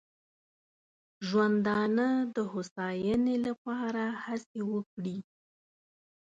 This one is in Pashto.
ژوندانه د هوساینې لپاره هڅې وکړي.